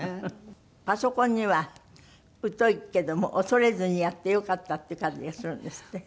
パソコンには疎いけども恐れずにやってよかったって感じがするんですって？